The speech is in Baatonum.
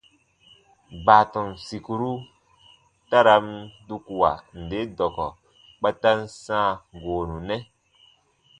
Baatɔn sìkuru ta ra n dukuwa nde dɔkɔ kpa ta n sãa goonu nɛ.